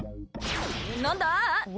何だ！？